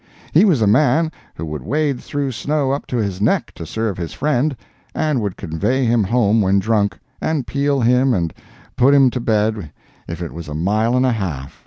He was a man who would wade through snow up to his neck to serve his friend, and would convey him home when drunk, and peel him and put him to bed if it was a mile and a half.